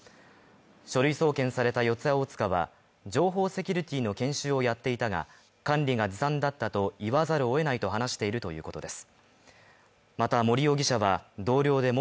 書類送検された四谷大塚は、情報セキュリティの研修をやっていたが、管理がずさんだったと言わざるを得ないと話しているということです